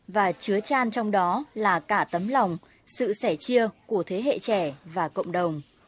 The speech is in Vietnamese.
và chứa tràn trong đó là cả tấm lòng sự sẻ chia của thế hệ trẻ và cộng đồng